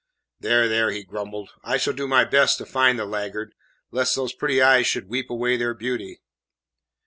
"There, there," he grumbled, "I shall do my best to find the laggard, lest those pretty eyes should weep away their beauty."